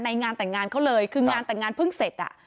งานแต่งงานเขาเลยคืองานแต่งงานเพิ่งเสร็จอ่ะ